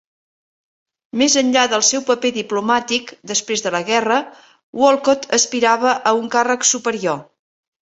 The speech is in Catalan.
Més enllà del seu paper diplomàtic després de la guerra, Wolcott aspirava a un càrrec superior.